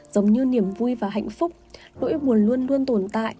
giống như niềm vui và hạnh phúc nỗi buồn luôn luôn tồn tại